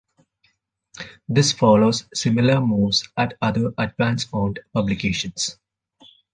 This follows similar moves at other Advance-owned publications.